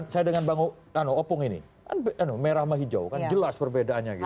saya dengan bang opung ini kan merah sama hijau kan jelas perbedaannya gitu